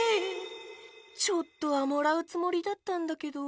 ちょっとはもらうつもりだったんだけど。